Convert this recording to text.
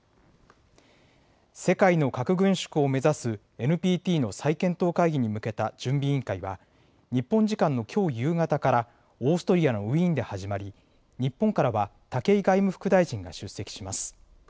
世界の核軍縮を目指すＮＰＴの再検討会議に向けた準備委員会は日本時間のきょう夕方からオーストリアのウィーンで始まり日本からは武井外務副大臣が出席します。